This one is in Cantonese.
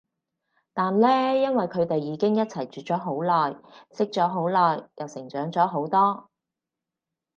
但呢因為佢哋已經一齊住咗好耐，識咗好耐，又成長咗好多